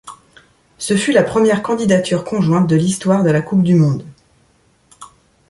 Ce fut la première candidature conjointe de l'histoire de la Coupe du monde.